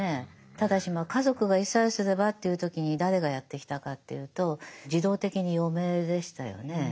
ただしまあ家族がいさえすればという時に誰がやってきたかというと自動的に嫁でしたよね。